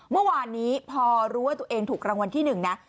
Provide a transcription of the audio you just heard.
เมื่อวานนี้พอรู้ว่าตัวเองถูกรางวัลที่๑นะ